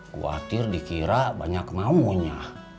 gw atir dikira banyak mau nya